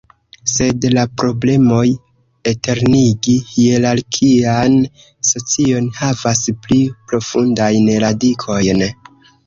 Sed la problemoj eternigi hierarkian socion havas pli profundajn radikojn.